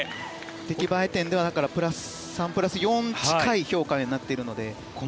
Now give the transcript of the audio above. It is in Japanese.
出来栄え点では３プラス４近い評価になっているので良かったですね。